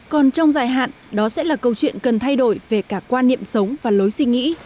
còn trong dài hạn đó sẽ là câu chuyện cần thay đổi về cả quan niệm sống và lối suy nghĩ